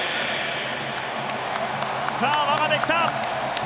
さあ、輪ができた。